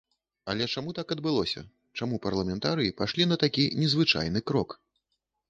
Але чаму так адбылося, чаму парламентарыі пайшлі на такі незвычайны крок?